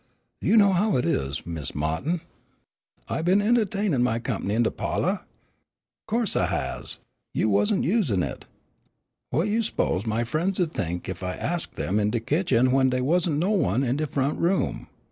You know how it is, Mis' Ma'tin. "I been en'tainin' my comp'ny in de pa'lor? Co'se I has; you wasn't usin' it. What you s'pose my frien's 'u'd think ef I'd ax 'em in de kitchen w'en dey wasn't no one in de front room?